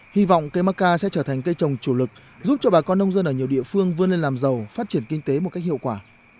hy vọng cây macca sẽ trở thành cây trồng chủ lực giúp cho bà con nông dân ở nhiều địa phương vươn lên làm giàu phát triển kinh tế một cách hiệu quả